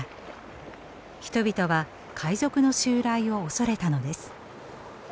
人々は海賊の襲来を恐れたのです。